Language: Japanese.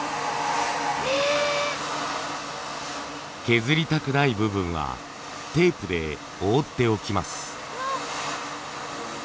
削りたくない部分はテープで覆っておきます。